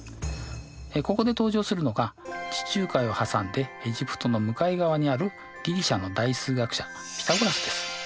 ここで登場するのが地中海を挟んでエジプトの向かい側にあるギリシャの大数学者ピタゴラスです。